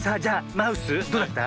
マウスどうだった？